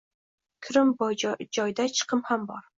Kirim bor joyda chiqim ham bor